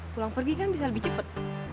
pulang pergi kan bisa lebih cepat